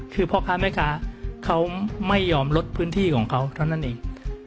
คือพ่อค้าแม่ค้าเขาไม่ยอมลดพื้นที่ของเขาเท่านั้นเอง